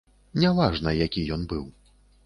Не важна, які ён быў.